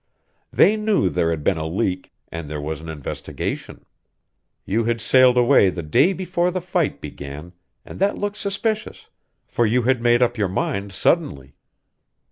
They knew there had been a leak, and there was an investigation. You had sailed away the day before the fight began, and that looked suspicious, for you had made up your mind suddenly.